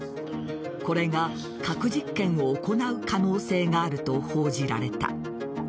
これが核実験を行う可能性があると報じられた。